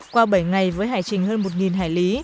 qua bảy ngày với hải trình hơn một hải lý